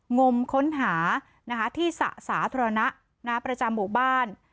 งมค้นหาที่สระสาธารณะประจำหมู่บ้าน